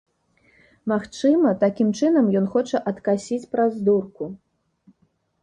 Магчыма, такім чынам ён хоча адкасіць праз дурку.